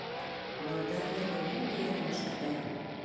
Молдавияны ниндәй яҙмыш көтә?